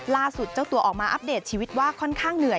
เจ้าตัวออกมาอัปเดตชีวิตว่าค่อนข้างเหนื่อย